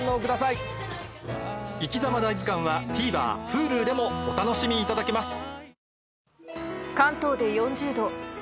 『いきざま大図鑑』はＴＶｅｒＨｕｌｕでもお楽しみいただけます